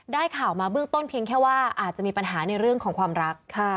ข่าวมาเบื้องต้นเพียงแค่ว่าอาจจะมีปัญหาในเรื่องของความรัก